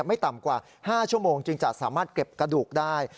ไม่ต่ำกว่า๕ชั่วโมงจึงจะสามารถเก็บกระดูกได้